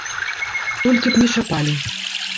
Толькі б не чапалі.